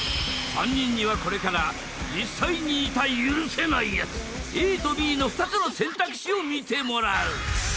［３人にはこれから実際にいた許せないやつＡとＢの２つの選択肢を見てもらう］